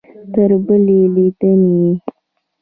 تر بلې لیدنې؟